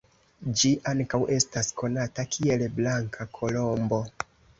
Ĝi ankaŭ estas konata kiel "Blanka Kolombo".